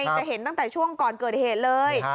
จะเห็นตั้งแต่ช่วงก่อนเกิดเหตุเลย